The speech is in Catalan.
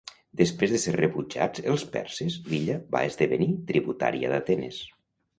Després de ser rebutjats els perses, l'illa va esdevenir tributària d'Atenes.